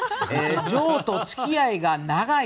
女王と付き合いが長い